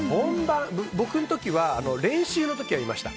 僕の時は、練習の時はいました。